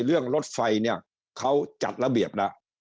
เรื่องรถไฟเขาจัดระเบียบนะ